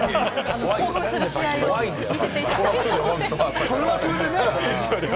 興奮する試合を見せていただいたので。